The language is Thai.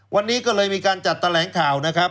วันนี้ก็เลยมีการจัดแถลงข่าวนะครับ